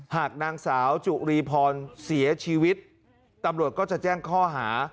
หากนางสาวจุรีพรเสียชีวิตตำรวจก็จะแจ้งข้อหา